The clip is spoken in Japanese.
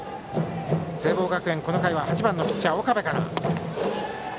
聖望学園、この回は８番ピッチャー、岡部から。